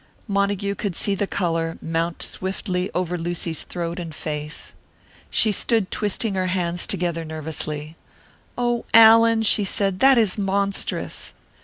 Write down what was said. Montague could see the colour mount swiftly over Lucy's throat and face. She stood twisting her hands together nervously. "Oh, Allan!" she said. "That is monstrous!"